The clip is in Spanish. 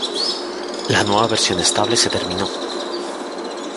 la nueva versión estable se terminó